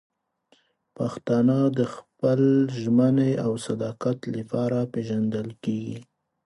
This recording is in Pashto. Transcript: پښتانه د خپل ژمنې او صداقت لپاره پېژندل کېږي.